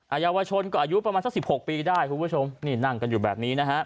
อายุชนก็อายุประมาณสักสิบหกปีได้คุณผู้ชมนี่นั่งกันอยู่แบบนี้นะฮะ